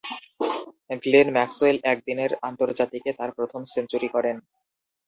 Glenn Maxwell একদিনের আন্তর্জাতিকে তার প্রথম সেঞ্চুরি করেন।